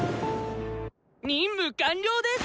任務完了です！